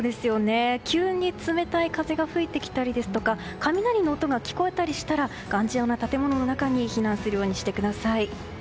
急に冷たい風が吹いて来たり雷の音が聞こえたりしたら頑丈な建物の中に避難するようにしてください。